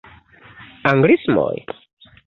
Anglismoj?